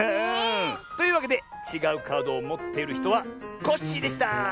というわけでちがうカードをもっているひとはコッシーでした！